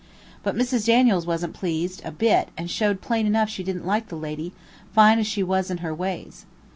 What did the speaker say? But Mrs. Daniels was'nt pleased a bit and showed plain enough she did'nt like the lady, fine as she was in her ways.